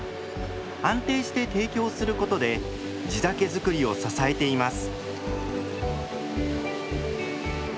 安定して提供することで地酒造りを支えています。